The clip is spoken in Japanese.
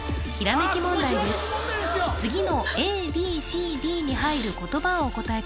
次のＡＢＣＤに入る言葉をお答え